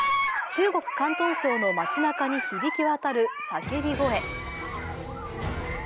中国・広東省の街なかに響き渡る叫び声。